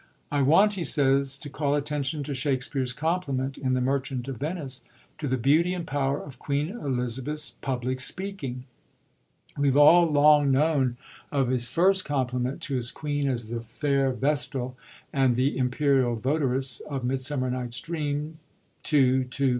" I want," he says, "to call attention to Shakspere's compliment in The MercharU of Venice to the beauty and power of Queen Elizabeth's public speaking. We 've all long known of 113 COMPLIMENTS TO QUEEN ELIZABETH his first compliment to his Queen as the ' fair vestal * and the 'imperial votaress' of Midsummer ^Nighf 8 Dream,, II. ii.